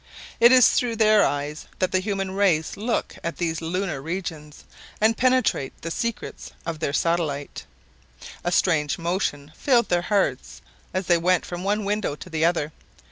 It is through their eyes that the human race look at these lunar regions, and penetrate the secrets of their satellite! A strange emotion filled their hearts as they went from one window to the other.